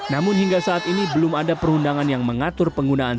namun hingga saat ini belum ada perundangan yang mengatur penggunaan